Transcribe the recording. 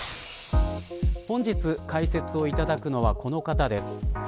本日解説をいただくのはこの方です。